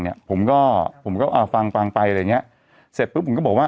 เนี้ยผมก็ผมก็อ่าฟังฟังไปอะไรอย่างเงี้ยเสร็จปุ๊บผมก็บอกว่า